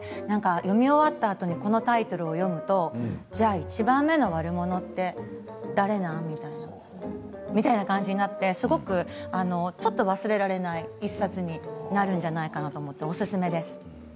読み終わったあとにこのタイトルを読むとじゃあ１番目の悪者は誰なのっていう感じになってちょっと忘れられない１冊になるんじゃないかと思っておすすめです。